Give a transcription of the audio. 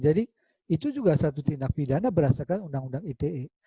jadi itu juga satu tindak pidana berdasarkan undang undang ite